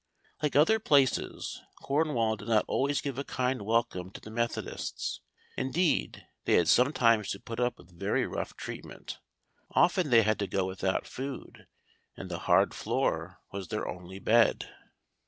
Like other places, Cornwall did not always give a kind welcome to the Methodists; indeed, they had sometimes to put up with very rough treatment. Often they had to go without food, and the hard floor was their only bed.